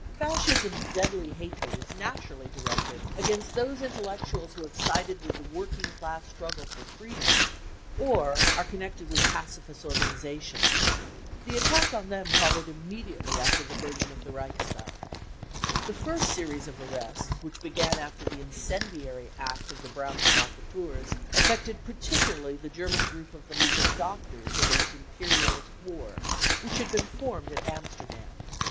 Fascism's deadly hatred is naturally directed against those intellectuals who have sided with the working class struggle for freedom or are connected with pacifist organisations. The attack on them followed immediately after the burning of the Reichstag. The first series of arrests which began after the incendiary act of the Brown provocateurs affected particularly the German group of the League of Doctors against Imperialist War which had been formed at Amsterdam.